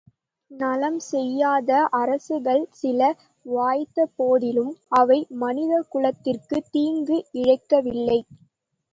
நலம் செய்யாத அரசுகள் சில வாய்த்தபோதிலும் அவை மனிதகுலத்திற்குத் தீங்கு இழைக்கவில்லை.